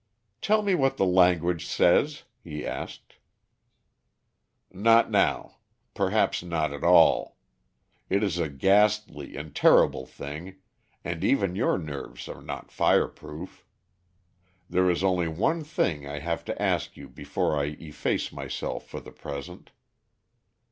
"Tell me what the language says?" he asked. "Not now perhaps not at all. It is a ghastly and terrible thing, and even your nerves are not fireproof. There is only one thing I have to ask you before I efface myself for the present.